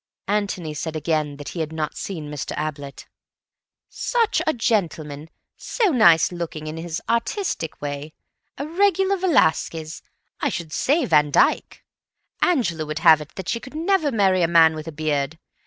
Antony said again that he had not seen Mr. Ablett. "Such a gentleman. So nice looking, in his artistic way. A regular Velasquez—I should say Van Dyck. Angela would have it that she could never marry a man with a beard.